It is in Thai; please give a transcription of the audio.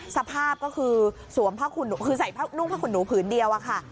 สภาพก็คือสวมผ้าขุนนูคือใส่นู่งผ้าขุนนูผืนเดียวอ่ะค่ะ